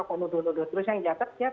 kalau ludus ludus terus yang jatah siap lah